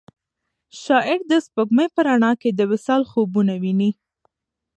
شاعر د سپوږمۍ په رڼا کې د وصال خوبونه ویني.